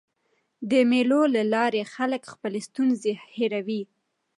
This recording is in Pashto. د مېلو له لاري خلک خپلي ستونزي هېروي.